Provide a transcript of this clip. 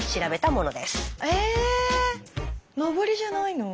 えぇ上りじゃないの？